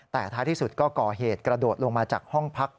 แต่ท้ายที่สุดก็ก่อเหตุกระโดดลงมาจากห้องพัก